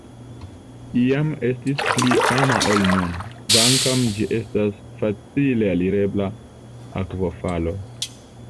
Iam estis pli fama ol nun, kvankam ĝi estas facile alirebla akvofalo.